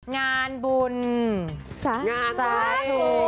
งานบุญ